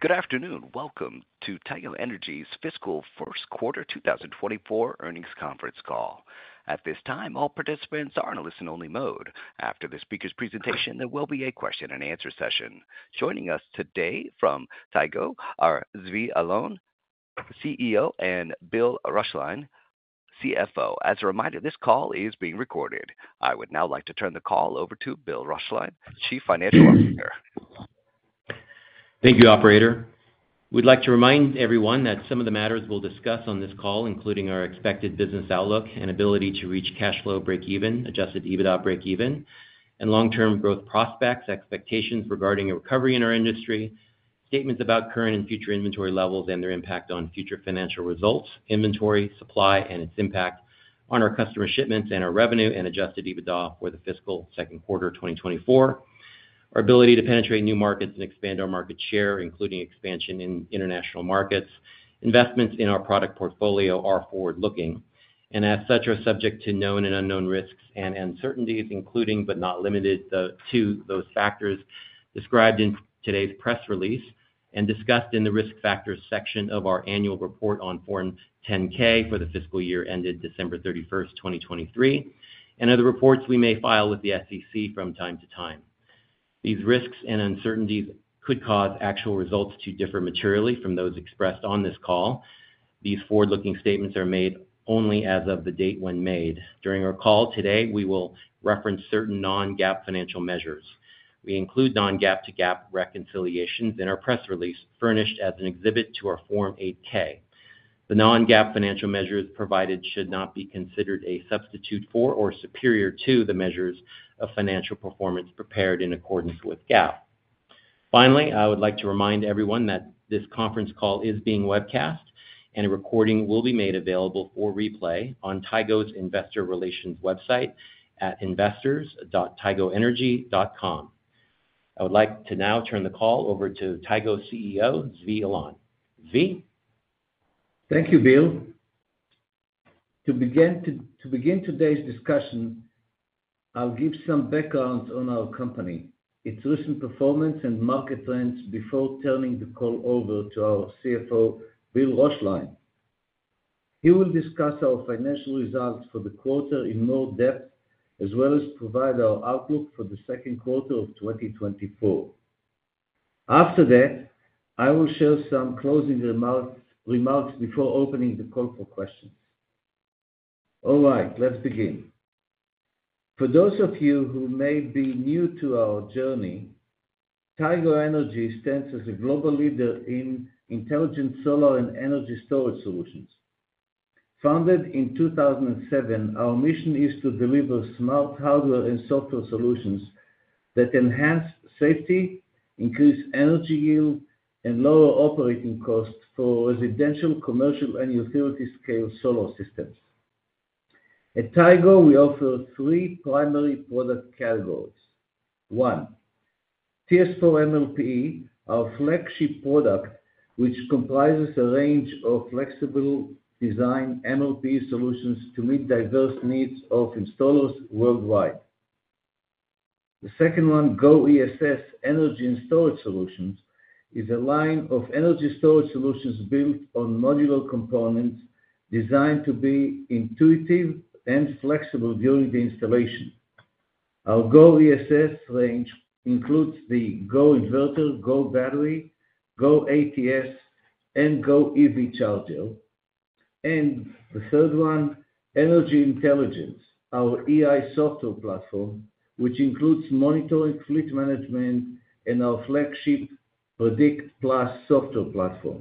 Good afternoon. Welcome to Tigo Energy's fiscal first quarter 2024 earnings conference call. At this time, all participants are in a listen-only mode. After the speaker's presentation, there will be a question-and-answer session. Joining us today from Tigo are Zvi Alon, CEO, and Bill Roeschlein, CFO. As a reminder, this call is being recorded. I would now like to turn the call over to Bill Roeschlein, Chief Financial Officer. Thank you, operator. We'd like to remind everyone that some of the matters we'll discuss on this call, including our expected business outlook and ability to reach cash flow break-even, Adjusted EBITDA break-even, and long-term growth prospects, expectations regarding a recovery in our industry, statements about current and future inventory levels and their impact on future financial results, inventory, supply, and its impact on our customer shipments and our revenue and Adjusted EBITDA for the fiscal second quarter 2024. Our ability to penetrate new markets and expand our market share, including expansion in international markets, investments in our product portfolio are forward-looking, and as such are subject to known and unknown risks and uncertainties, including but not limited to those factors described in today's press release and discussed in the Risk Factors section of our annual report on Form 10-K for the fiscal year ended December 31, 2023, and other reports we may file with the SEC from time to time. These risks and uncertainties could cause actual results to differ materially from those expressed on this call. These forward-looking statements are made only as of the date when made. During our call today, we will reference certain non-GAAP financial measures. We include non-GAAP-to-GAAP reconciliations in our press release, furnished as an exhibit to our Form 8-K. The non-GAAP financial measures provided should not be considered a substitute for or superior to the measures of financial performance prepared in accordance with GAAP. Finally, I would like to remind everyone that this conference call is being webcast, and a recording will be made available for replay on Tigo's investor relations website at investors.tigoenergy.com. I would like to now turn the call over to Tigo CEO Zvi Alon. Zvi? Thank you, Bill. To begin today's discussion, I'll give some background on our company, its recent performance, and market trends before turning the call over to our CFO, Bill Roeschlein. He will discuss our financial results for the quarter in more depth as well as provide our outlook for the second quarter of 2024. After that, I will share some closing remarks before opening the call for questions. All right, let's begin. For those of you who may be new to our journey, Tigo Energy stands as a global leader in intelligent solar and energy storage solutions. Founded in 2007, our mission is to deliver smart hardware and software solutions that enhance safety, increase energy yield, and lower operating costs for residential, commercial, and utility-scale solar systems. At Tigo, we offer three primary product categories. One, TS4 MLPE, our flagship product, which comprises a range of flexible design MLPE solutions to meet diverse needs of installers worldwide. The second one, GO ESS, energy and storage solutions, is a line of energy storage solutions built on modular components designed to be intuitive and flexible during the installation. Our GO ESS range includes the GO Inverter, GO Battery, GO ATS, and GO EV Charger. And the third one, Energy Intelligence, our EI software platform, which includes monitoring fleet management and our flagship Predict+ software platform.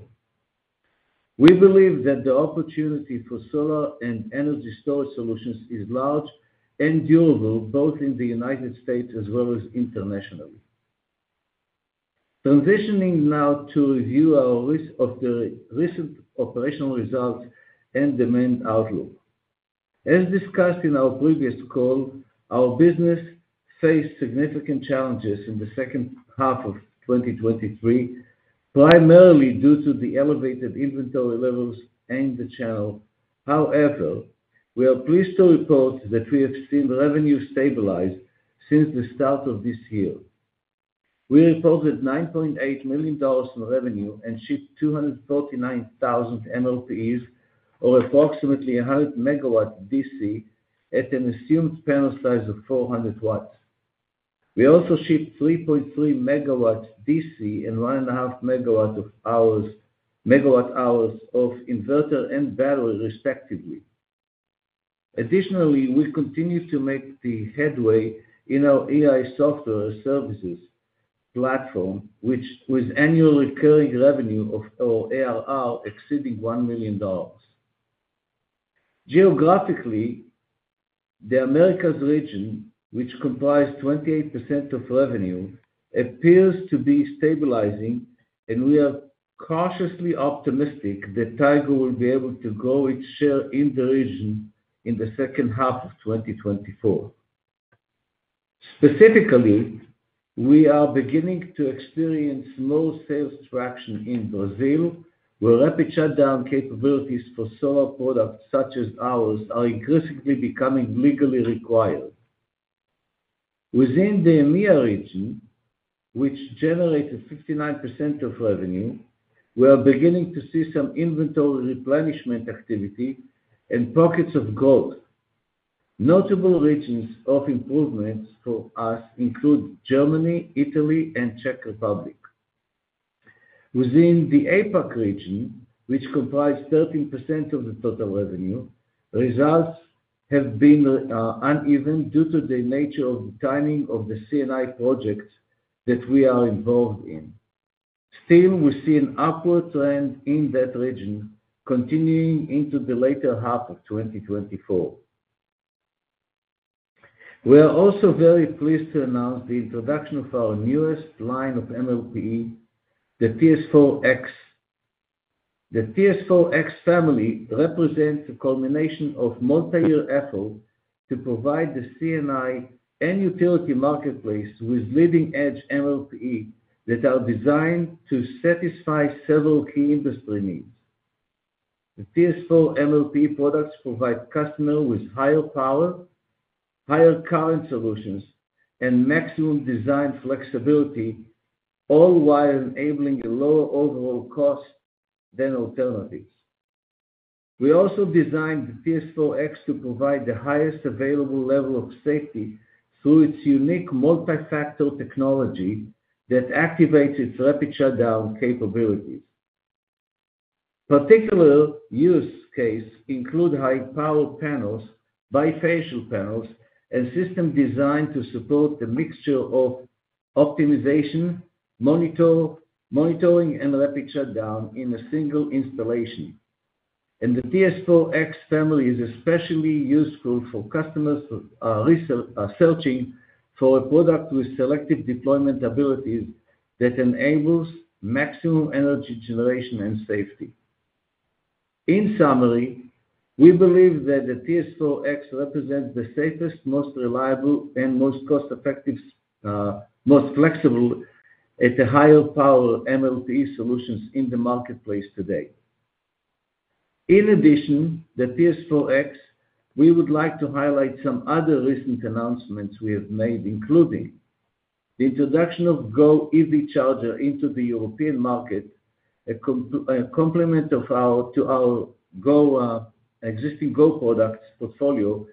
We believe that the opportunity for solar and energy storage solutions is large and durable both in the United States as well as internationally. Transitioning now to review our recent operational results and demand outlook. As discussed in our previous call, our business faced significant challenges in the second half of 2023, primarily due to the elevated inventory levels and the channel. However, we are pleased to report that we have seen revenue stabilize since the start of this year. We reported $9.8 million in revenue and shipped 249,000 MLPEs, or approximately 100 MW DC, at an assumed panel size of 400 W. We also shipped 3.3 MW DC and 1.5 MWh of inverter and battery, respectively. Additionally, we continue to make headway in our EI software services platform, with annual recurring revenue or ARR exceeding $1 million. Geographically, the Americas region, which comprises 28% of revenue, appears to be stabilizing, and we are cautiously optimistic that Tigo will be able to grow its share in the region in the second half of 2024. Specifically, we are beginning to experience small sales traction in Brazil, where rapid shutdown capabilities for solar products such as ours are increasingly becoming legally required. Within the EMEA region, which generated 59% of revenue, we are beginning to see some inventory replenishment activity and pockets of growth. Notable regions of improvements for us include Germany, Italy, and Czech Republic. Within the APAC region, which comprises 13% of the total revenue, results have been uneven due to the nature of the timing of the CNI project that we are involved in. Still, we see an upward trend in that region continuing into the later half of 2024. We are also very pleased to announce the introduction of our newest line of MLPE, the TS4-X. The TS4-X family represents a culmination of multi-year effort to provide the CNI and utility marketplace with leading-edge MLPEs that are designed to satisfy several key industry needs. The TS4 MLPE products provide customers with higher power, higher current solutions, and maximum design flexibility, all while enabling a lower overall cost than alternatives. We also designed the TS4-X to provide the highest available level of safety through its unique multifactor technology that activates its rapid shutdown capabilities. Particular use cases include high-power panels, bifacial panels, and systems designed to support the mixture of optimization, monitoring, and rapid shutdown in a single installation. And the TS4-X family is especially useful for customers searching for a product with selective deployment abilities that enables maximum energy generation and safety. In summary, we believe that the TS4-X represents the safest, most reliable, and most cost-effective, most flexible at the higher power MLPE solutions in the marketplace today. In addition, the TS4-X, we would like to highlight some other recent announcements we have made, including the introduction of GO EV Charger into the European market, a complement to our existing GO products portfolio,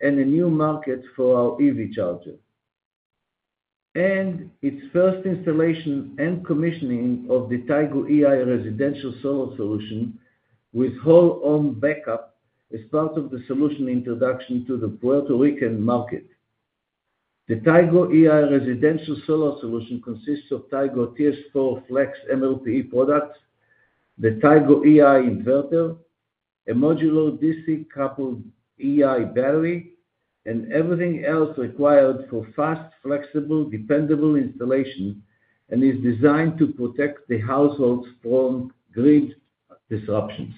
and a new market for our EV charger. And its first installation and commissioning of the Tigo EI residential solar solution with whole-home backup is part of the solution introduction to the Puerto Rican market. The Tigo EI residential solar solution consists of Tigo TS4 Flex MLPE products, the Tigo EI inverter, a modular DC-coupled EI battery, and everything else required for fast, flexible, dependable installation and is designed to protect the households from grid disruptions.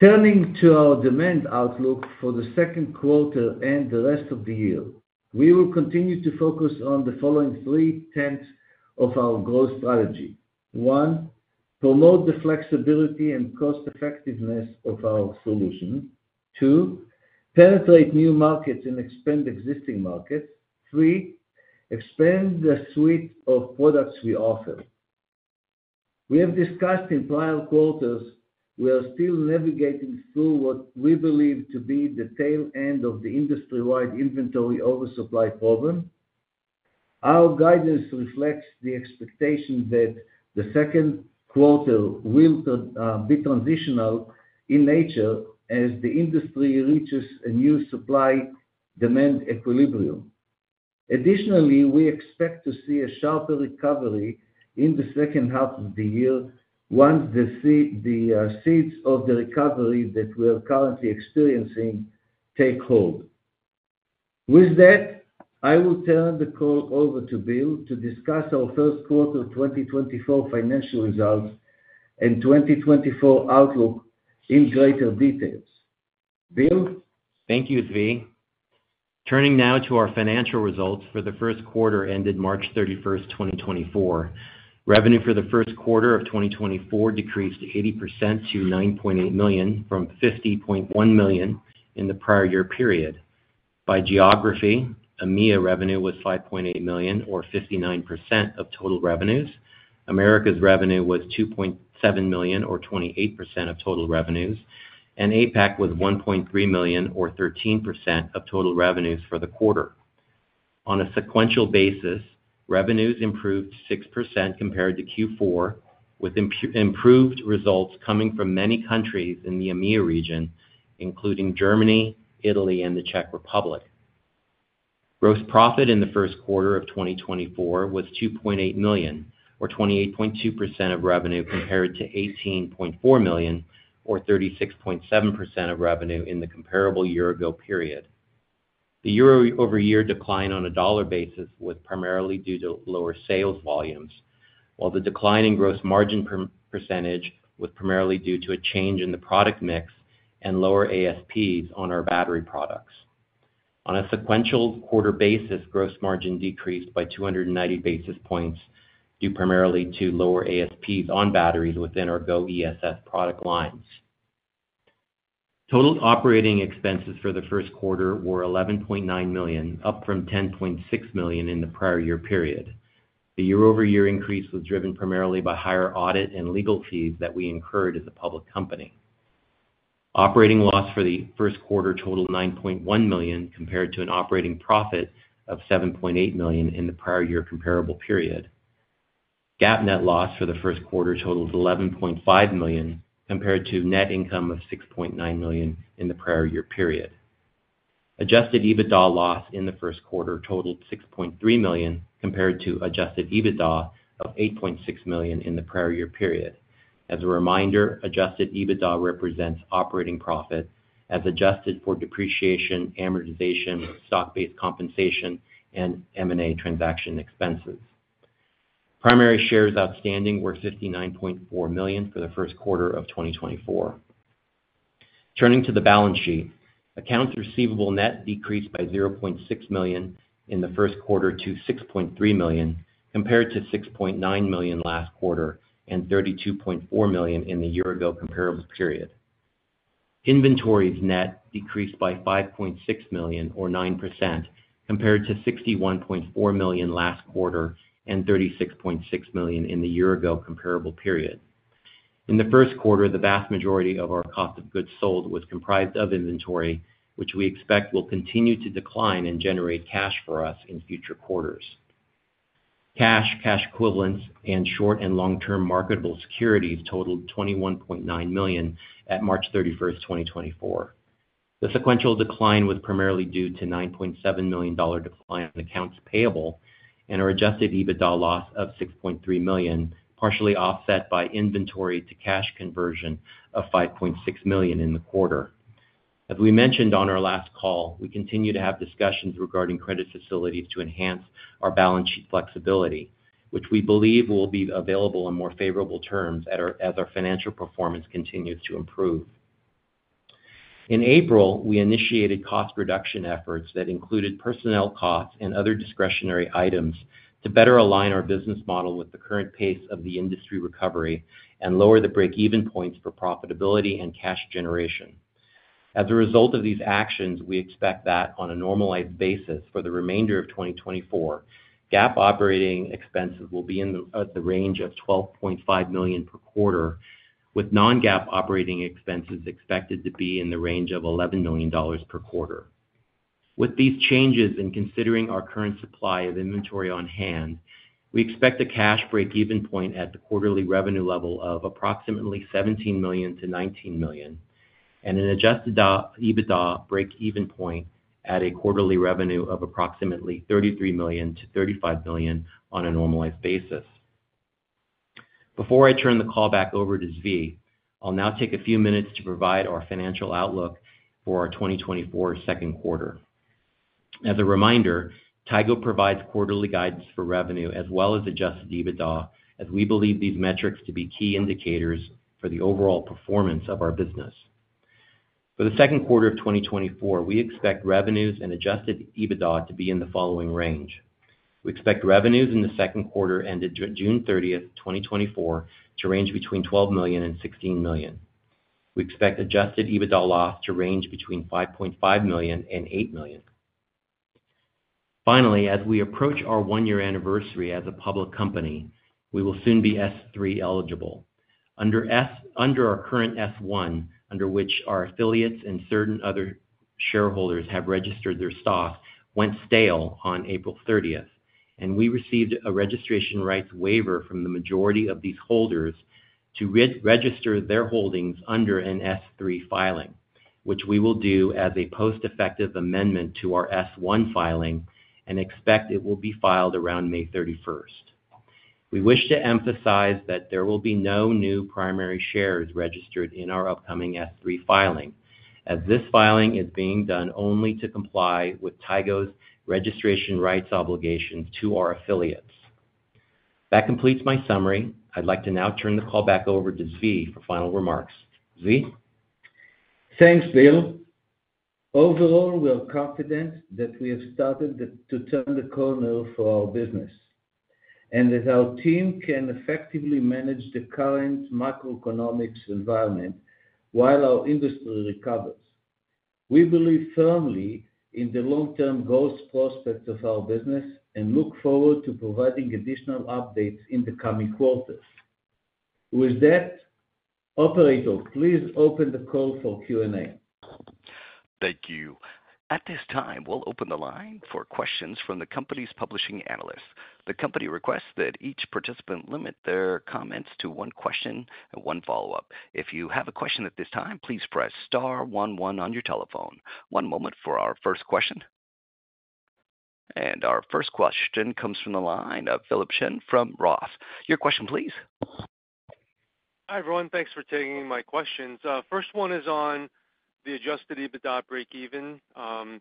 Turning to our demand outlook for the second quarter and the rest of the year, we will continue to focus on the following three tenets of our growth strategy. One, promote the flexibility and cost-effectiveness of our solution. Two, penetrate new markets and expand existing markets. Three, expand the suite of products we offer. We have discussed in prior quarters, we are still navigating through what we believe to be the tail end of the industry-wide inventory oversupply problem. Our guidance reflects the expectation that the second quarter will be transitional in nature as the industry reaches a new supply-demand equilibrium. Additionally, we expect to see a sharper recovery in the second half of the year once the seeds of the recovery that we are currently experiencing take hold. With that, I will turn the call over to Bill to discuss our first quarter 2024 financial results and 2024 outlook in greater details. Bill? Thank you, Zvi. Turning now to our financial results for the first quarter ended March 31, 2024. Revenue for the first quarter of 2024 decreased 80% to $9.8 million from $50.1 million in the prior year period. By geography, EMEA revenue was $5.8 million, or 59% of total revenues. Americas revenue was $2.7 million, or 28% of total revenues. APAC was $1.3 million, or 13% of total revenues for the quarter. On a sequential basis, revenues improved 6% compared to Q4, with improved results coming from many countries in the EMEA region, including Germany, Italy, and the Czech Republic. Gross profit in the first quarter of 2024 was $2.8 million, or 28.2% of revenue compared to $18.4 million, or 36.7% of revenue in the comparable year-ago period. The year-over-year decline on a dollar basis was primarily due to lower sales volumes, while the decline in gross margin percentage was primarily due to a change in the product mix and lower ASPs on our battery products. On a sequential quarter basis, gross margin decreased by 290 basis points due primarily to lower ASPs on batteries within our GO ESS product lines. Total operating expenses for the first quarter were $11.9 million, up from $10.6 million in the prior year period. The year-over-year increase was driven primarily by higher audit and legal fees that we incurred as a public company. Operating loss for the first quarter totaled $9.1 million compared to an operating profit of $7.8 million in the prior year comparable period. GAAP net loss for the first quarter totaled $11.5 million compared to net income of $6.9 million in the prior year period. Adjusted EBITDA loss in the first quarter totaled $6.3 million compared to adjusted EBITDA of $8.6 million in the prior year period. As a reminder, adjusted EBITDA represents operating profit as adjusted for depreciation, amortization, stock-based compensation, and M&A transaction expenses. Primary shares outstanding were 59.4 million for the first quarter of 2024. Turning to the balance sheet, accounts receivable net decreased by $0.6 million in the first quarter to $6.3 million compared to $6.9 million last quarter and $32.4 million in the year-ago comparable period. Inventories net decreased by $5.6 million, or 9%, compared to $61.4 million last quarter and $36.6 million in the year-ago comparable period. In the first quarter, the vast majority of our cost of goods sold was comprised of inventory, which we expect will continue to decline and generate cash for us in future quarters. Cash, cash equivalents, and short- and long-term marketable securities totaled $21.9 million at March 31, 2024. The sequential decline was primarily due to a $9.7 million decline in accounts payable and an Adjusted EBITDA loss of $6.3 million, partially offset by inventory-to-cash conversion of $5.6 million in the quarter. As we mentioned on our last call, we continue to have discussions regarding credit facilities to enhance our balance sheet flexibility, which we believe will be available in more favorable terms as our financial performance continues to improve. In April, we initiated cost reduction efforts that included personnel costs and other discretionary items to better align our business model with the current pace of the industry recovery and lower the break-even points for profitability and cash generation. As a result of these actions, we expect that on a normalized basis for the remainder of 2024, GAAP operating expenses will be in the range of $12.5 million per quarter, with non-GAAP operating expenses expected to be in the range of $11 million per quarter. With these changes and considering our current supply of inventory on hand, we expect a cash break-even point at the quarterly revenue level of approximately $17 million-$19 million, and an adjusted EBITDA break-even point at a quarterly revenue of approximately $33 million-$35 million on a normalized basis. Before I turn the call back over to Zvi, I'll now take a few minutes to provide our financial outlook for our 2024 second quarter. As a reminder, Tigo provides quarterly guidance for revenue as well as Adjusted EBITDA, as we believe these metrics to be key indicators for the overall performance of our business. For the second quarter of 2024, we expect revenues and Adjusted EBITDA to be in the following range. We expect revenues in the second quarter ended June 30, 2024, to range between $12 million and $16 million. We expect Adjusted EBITDA loss to range between $5.5 million and $8 million. Finally, as we approach our one-year anniversary as a public company, we will soon be S-3 eligible. Under our current S-1, under which our affiliates and certain other shareholders have registered their stocks, went stale on April 30, and we received a registration rights waiver from the majority of these holders to register their holdings under an S-3 filing, which we will do as a post-effective amendment to our S-1 filing and expect it will be filed around May 31. We wish to emphasize that there will be no new primary shares registered in our upcoming S3 filing, as this filing is being done only to comply with Tigo's registration rights obligations to our affiliates. That completes my summary. I'd like to now turn the call back over to Zvi for final remarks. Zvi? Thanks, Bill. Overall, we are confident that we have started to turn the corner for our business and that our team can effectively manage the current macroeconomic environment while our industry recovers. We believe firmly in the long-term growth prospects of our business and look forward to providing additional updates in the coming quarters. With that, operator, please open the call for Q&A. Thank you. At this time, we'll open the line for questions from the company's publishing analysts. The company requests that each participant limit their comments to one question and one follow-up. If you have a question at this time, please press star one one on your telephone. One moment for our first question. Our first question comes from the line of Philip Shen from ROTH. Your question, please. Hi everyone. Thanks for taking my questions. First one is on the Adjusted EBITDA break-even. Bill,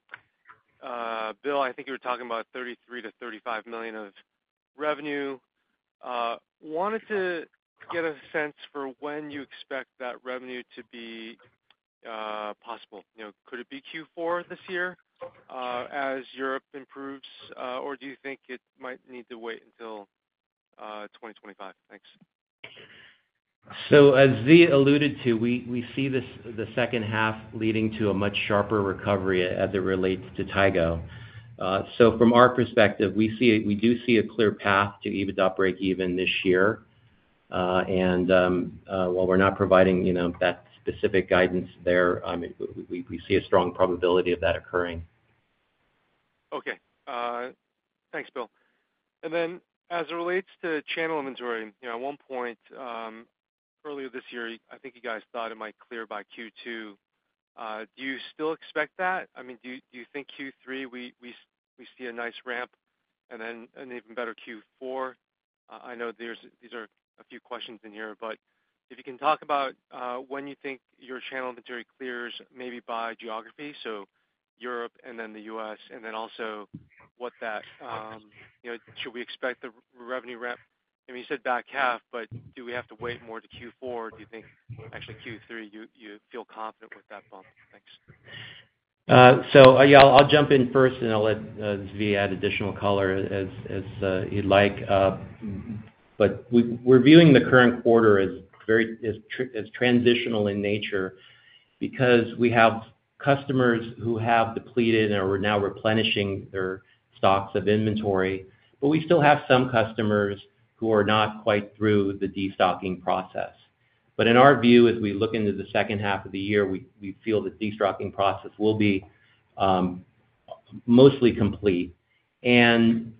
I think you were talking about $33 million-$35 million of revenue. Wanted to get a sense for when you expect that revenue to be possible. Could it be Q4 this year as Europe improves, or do you think it might need to wait until 2025? Thanks. As Zvi alluded to, we see the second half leading to a much sharper recovery as it relates to Tigo. From our perspective, we do see a clear path to EBITDA break-even this year. While we're not providing that specific guidance there, we see a strong probability of that occurring. Okay. Thanks, Bill. And then as it relates to channel inventory, at one point earlier this year, I think you guys thought it might clear by Q2. Do you still expect that? I mean, do you think Q3 we see a nice ramp and then an even better Q4? I know these are a few questions in here, but if you can talk about when you think your channel inventory clears maybe by geography, so Europe and then the U.S., and then also what that should we expect the revenue ramp? I mean, you said back half, but do we have to wait more to Q4? Do you think actually Q3 you feel confident with that bump? Thanks. So yeah, I'll jump in first and I'll let Zvi add additional color as he'd like. But reviewing the current quarter is transitional in nature because we have customers who have depleted or are now replenishing their stocks of inventory, but we still have some customers who are not quite through the destocking process. But in our view, as we look into the second half of the year, we feel the destocking process will be mostly complete. And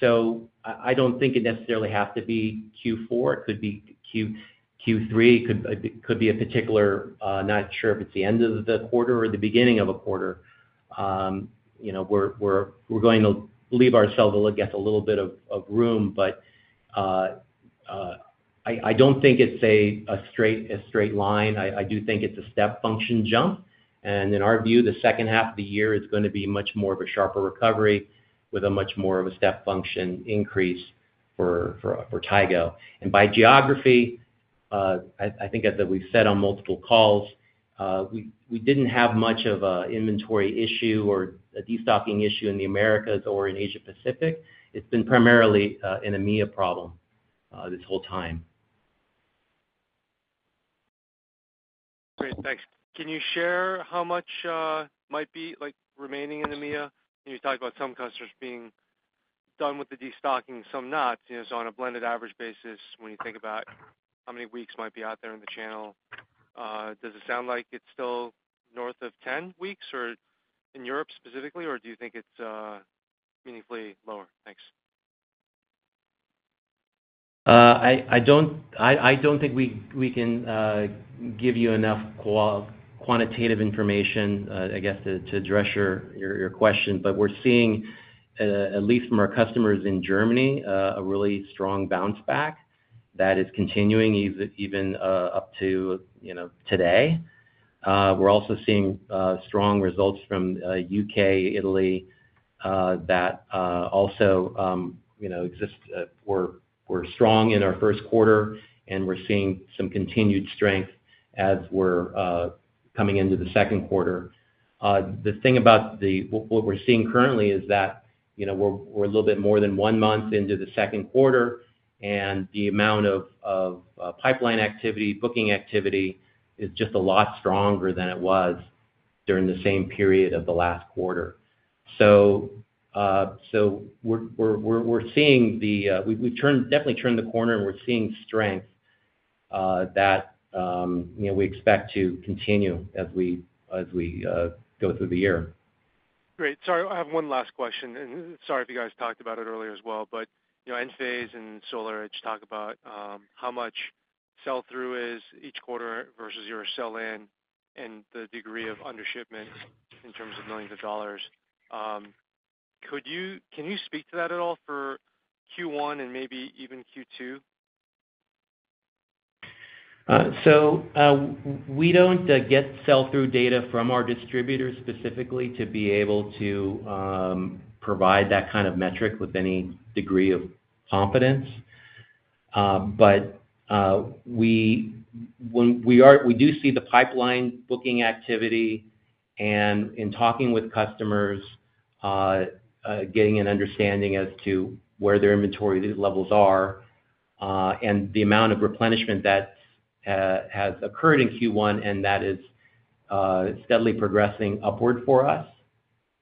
so I don't think it necessarily has to be Q4. It could be Q3. It could be a particular not sure if it's the end of the quarter or the beginning of a quarter. We're going to leave ourselves a little bit of room, but I don't think it's a straight line. I do think it's a step function jump. In our view, the second half of the year is going to be much more of a sharper recovery with a much more of a step function increase for Tigo. By geography, I think as we've said on multiple calls, we didn't have much of an inventory issue or a destocking issue in the Americas or in Asia-Pacific. It's been primarily an EMEA problem this whole time. Great. Thanks. Can you share how much might be remaining in EMEA? You talked about some customers being done with the destocking, some not. So on a blended average basis, when you think about how many weeks might be out there in the channel, does it sound like it's still north of 10 weeks in Europe specifically, or do you think it's meaningfully lower? Thanks. I don't think we can give you enough quantitative information, I guess, to address your question, but we're seeing, at least from our customers in Germany, a really strong bounce back that is continuing even up to today. We're also seeing strong results from U.K., Italy that also exist. We're strong in our first quarter, and we're seeing some continued strength as we're coming into the second quarter. The thing about what we're seeing currently is that we're a little bit more than one month into the second quarter, and the amount of pipeline activity, booking activity is just a lot stronger than it was during the same period of the last quarter. So we're seeing we've definitely turned the corner, and we're seeing strength that we expect to continue as we go through the year. Great. Sorry, I have one last question. Sorry if you guys talked about it earlier as well, but Enphase and SolarEdge talk about how much sell-through is each quarter versus your sell-in and the degree of undershipment in terms of millions of dollars. Can you speak to that at all for Q1 and maybe even Q2? So we don't get sell-through data from our distributors specifically to be able to provide that kind of metric with any degree of confidence. But we do see the pipeline booking activity and in talking with customers, getting an understanding as to where their inventory levels are and the amount of replenishment that has occurred in Q1, and that is steadily progressing upward for us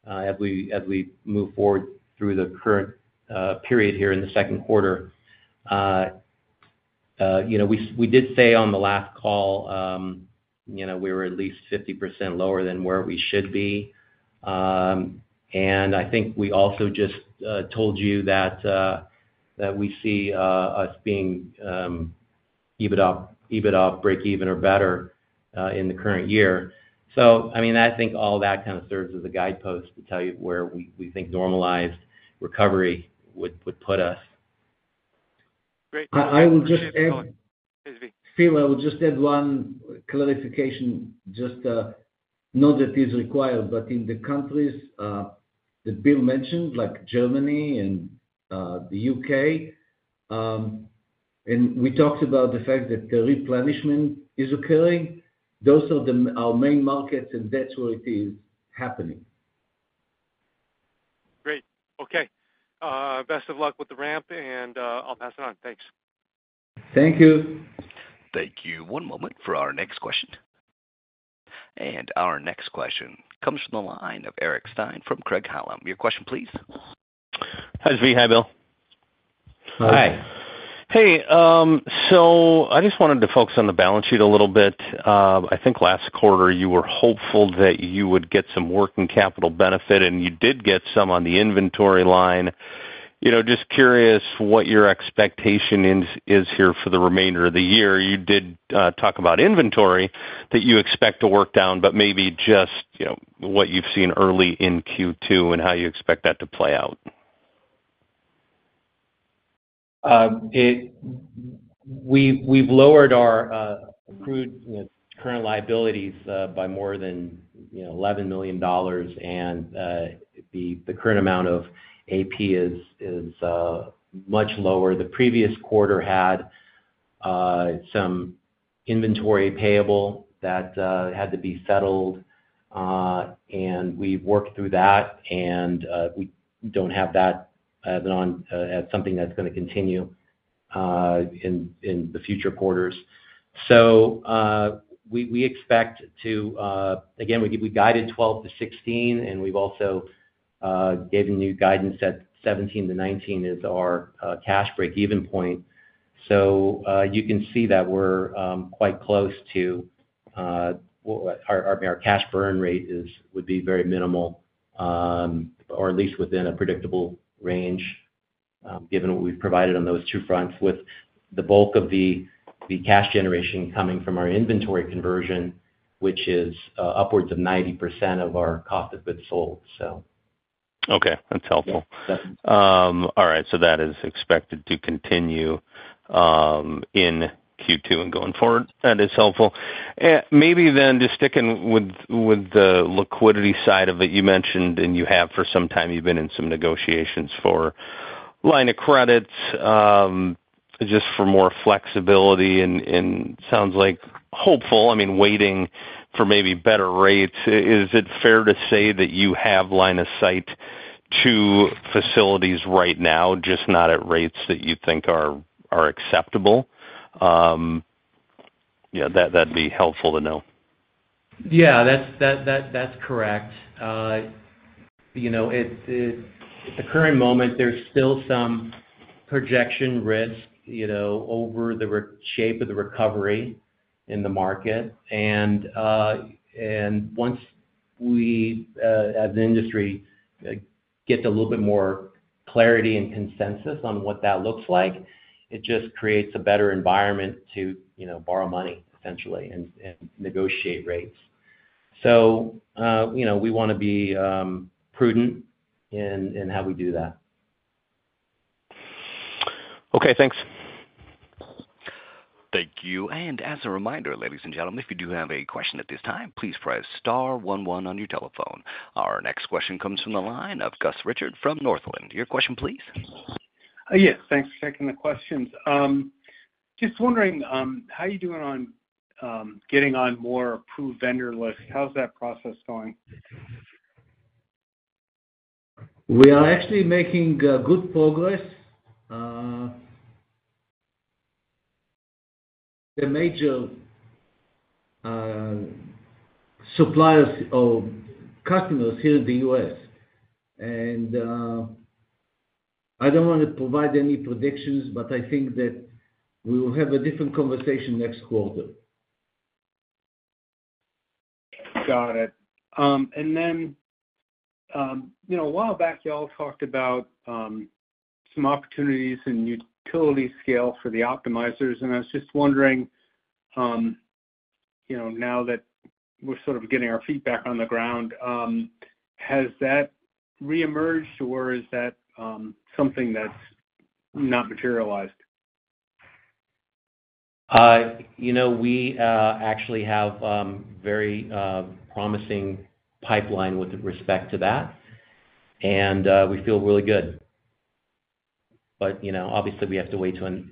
as we move forward through the current period here in the second quarter. We did say on the last call we were at least 50% lower than where we should be. And I think we also just told you that we see us being EBITDA break-even or better in the current year. So I mean, I think all that kind of serves as a guidepost to tell you where we think normalized recovery would put us. Great. I will just add one clarification. Just know that it is required, but in the countries that Bill mentioned, like Germany and the U.K., and we talked about the fact that the replenishment is occurring, those are our main markets, and that's where it is happening. Great. Okay. Best of luck with the ramp, and I'll pass it on. Thanks. Thank you. Thank you. One moment for our next question. Our next question comes from the line of Eric Stine from Craig-Hallum. Your question, please. Hi Zvi. Hi Bill. Hi. Hey. So I just wanted to focus on the balance sheet a little bit. I think last quarter, you were hopeful that you would get some working capital benefit, and you did get some on the inventory line. Just curious what your expectation is here for the remainder of the year. You did talk about inventory that you expect to work down, but maybe just what you've seen early in Q2 and how you expect that to play out? We've lowered our current liabilities by more than $11 million, and the current amount of AP is much lower. The previous quarter had some inventory payable that had to be settled, and we've worked through that, and we don't have that as something that's going to continue in the future quarters. So we expect to again, we guided 12-16, and we've also given new guidance that 17-19 is our cash break-even point. So you can see that we're quite close to I mean, our cash burn rate would be very minimal, or at least within a predictable range given what we've provided on those two fronts, with the bulk of the cash generation coming from our inventory conversion, which is upwards of 90% of our cost of goods sold, so. Okay. That's helpful. All right. So that is expected to continue in Q2 and going forward. That is helpful. Maybe then just sticking with the liquidity side of it, you mentioned and you have for some time, you've been in some negotiations for lines of credit just for more flexibility and sounds hopeful. I mean, waiting for maybe better rates. Is it fair to say that you have line of sight to facilities right now, just not at rates that you think are acceptable? That'd be helpful to know. Yeah, that's correct. At the current moment, there's still some projection risk over the shape of the recovery in the market. Once we, as an industry, get a little bit more clarity and consensus on what that looks like, it just creates a better environment to borrow money, essentially, and negotiate rates. We want to be prudent in how we do that. Okay. Thanks. Thank you. As a reminder, ladies and gentlemen, if you do have a question at this time, please press star one one on your telephone. Our next question comes from the line of Gus Richard from Northland. Your question, please. Yes. Thanks for checking the questions. Just wondering, how are you doing on getting on more approved vendor lists? How's that process going? We are actually making good progress. The major suppliers or customers here in the U.S. I don't want to provide any predictions, but I think that we will have a different conversation next quarter. Got it. And then a while back, y'all talked about some opportunities in utility scale for the optimizers. And I was just wondering, now that we're sort of getting our feedback on the ground, has that reemerged, or is that something that's not materialized? We actually have a very promising pipeline with respect to that, and we feel really good. But obviously, we have to wait till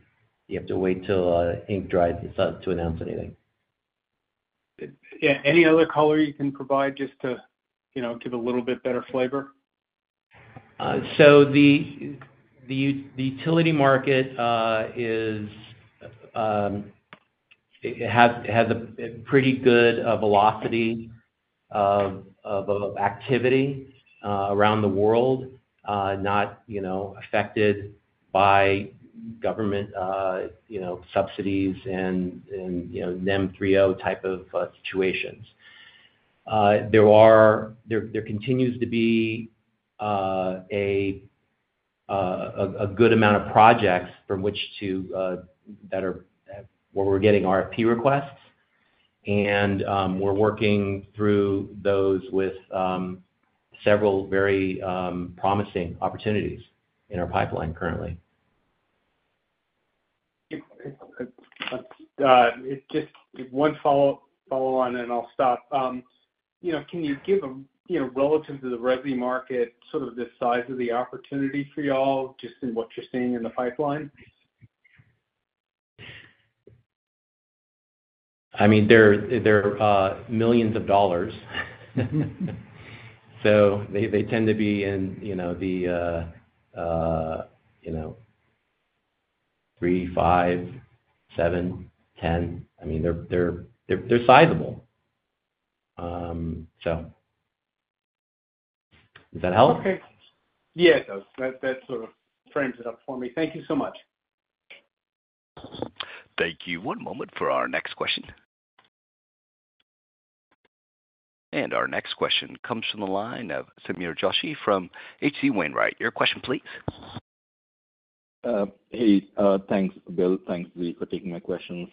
the ink dries to announce anything. Yeah. Any other color you can provide just to give a little bit better flavor? The utility market has a pretty good velocity of activity around the world, not affected by government subsidies and NEM 3.0 type of situations. There continues to be a good amount of projects where we're getting RFP requests, and we're working through those with several very promising opportunities in our pipeline currently. One follow-on, and I'll stop. Can you give, relative to the revenue market, sort of the size of the opportunity for y'all just in what you're seeing in the pipeline? I mean, they're millions of dollars. So they tend to be in the $3 million, $5 million, $7 million, $10 million. I mean, they're sizable, so. Does that help? Okay. Yeah, it does. That sort of frames it up for me. Thank you so much. Thank you. One moment for our next question. Our next question comes from the line of Sameer Joshi from H.C. Wainwright. Your question, please. Hey. Thanks, Bill. Thanks, Zvi, for taking my questions.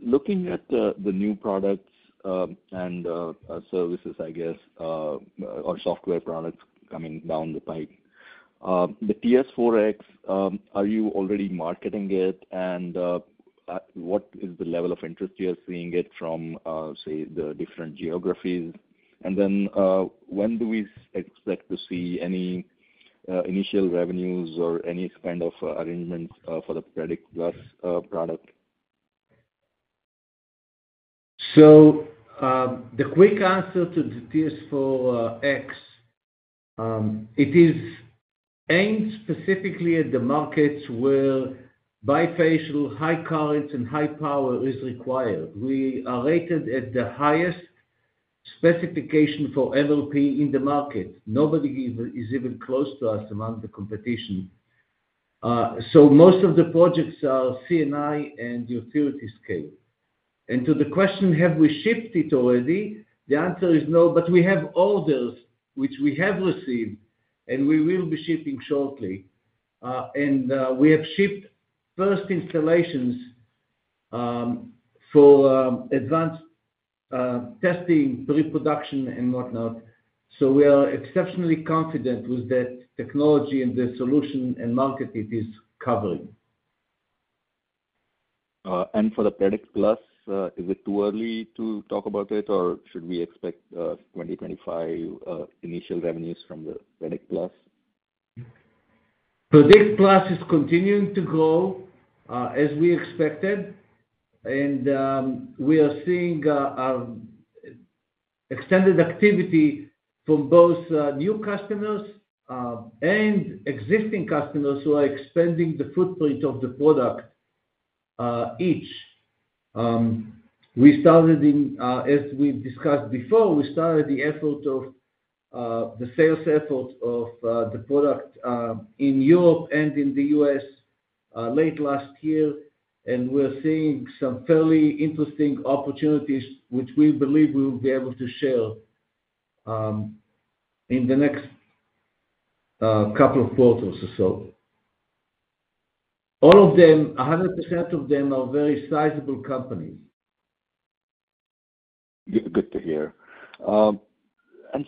Looking at the new products and services, I guess, or software products coming down the pipe, the TS4-X, are you already marketing it, and what is the level of interest you're seeing it from, say, the different geographies? And then when do we expect to see any initial revenues or any kind of arrangements for the Predict+ product? So the quick answer to the TS4-X, it is aimed specifically at the markets where bifacial high currents and high power is required. We are rated at the highest specification for MLP in the market. Nobody is even close to us among the competition. So most of the projects are CNI and utility scale. And to the question, have we shipped it already? The answer is no, but we have orders, which we have received, and we will be shipping shortly. We have shipped first installations for advanced testing, pre-production, and whatnot. We are exceptionally confident with that technology and the solution and market it is covering. For the Predict+, is it too early to talk about it, or should we expect 2025 initial revenues from the Predict+? Predict+ is continuing to grow as we expected, and we are seeing extended activity from both new customers and existing customers who are expanding the footprint of the product each. As we've discussed before, we started the effort of the sales effort of the product in Europe and in the U.S. late last year, and we're seeing some fairly interesting opportunities, which we believe we will be able to share in the next couple of quarters or so. All of them, 100% of them are very sizable companies. Good to hear.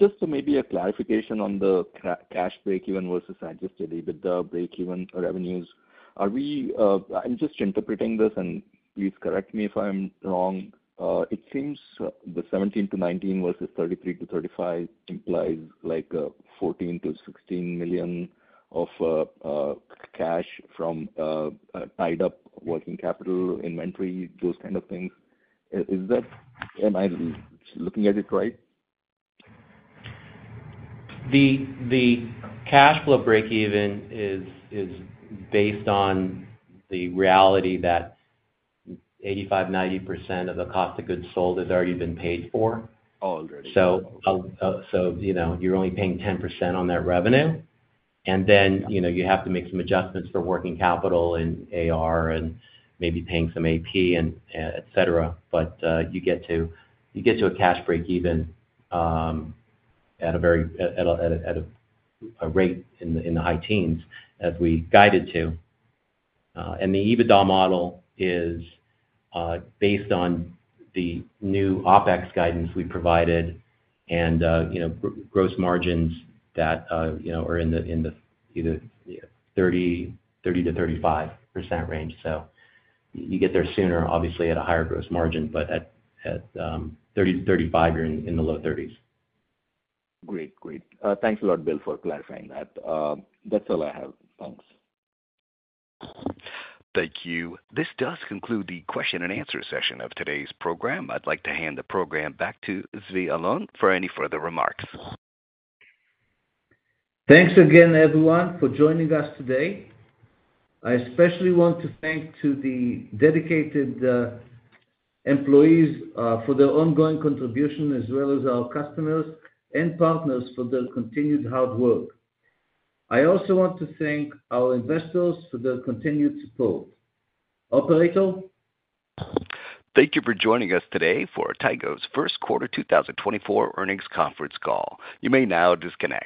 Just maybe a clarification on the cash break-even versus Adjusted EBITDA break-even revenues. I'm just interpreting this, and please correct me if I'm wrong. It seems the 17-19 versus 33-35 implies $14 million-16 million of cash from tied-up working capital inventory, those kind of things. Am I looking at it right? The cash flow break-even is based on the reality that 85%-90% of the cost of goods sold has already been paid for. So you're only paying 10% on that revenue, and then you have to make some adjustments for working capital and AR and maybe paying some AP, etc. But you get to a cash break-even at a rate in the high teens, as we guided to. And the EBITDA model is based on the new OpEx guidance we provided and gross margins that are in the either 30%-35% range. So you get there sooner, obviously, at a higher gross margin, but at 30%-35%, you're in the low 30s. Great. Great. Thanks a lot, Bill, for clarifying that. That's all I have. Thanks. Thank you. This does conclude the question-and-answer session of today's program. I'd like to hand the program back to Zvi Alon for any further remarks. Thanks again, everyone, for joining us today. I especially want to thank the dedicated employees for their ongoing contribution, as well as our customers and partners for their continued hard work. I also want to thank our investors for their continued support. Operator? Thank you for joining us today for Tigo's first quarter 2024 earnings conference call. You may now disconnect.